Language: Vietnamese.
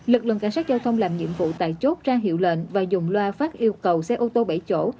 lực lượng cảnh sát giao thông làm nhiệm vụ tại chốt ra hiệu lệnh và dùng loa phát yêu cầu xe ô tô bảy chỗ